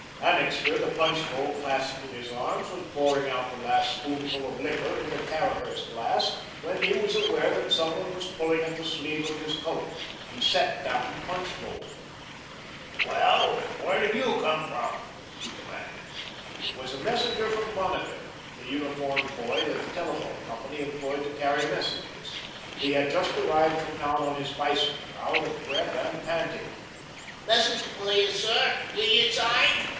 Annixter, the punch bowl clasped in his arms, was pouring out the last spoonful of liquor into Caraher's glass when he was aware that some one was pulling at the sleeve of his coat. He set down the punch bowl. "Well, where did YOU come from?" he demanded. It was a messenger from Bonneville, the uniformed boy that the telephone company employed to carry messages. He had just arrived from town on his bicycle, out of breath and panting. "Message for you, sir. Will you sign?"